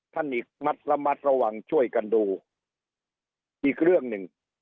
ท่านอีกมัดระมัดระวังช่วยกันดูอีกเรื่องหนึ่ง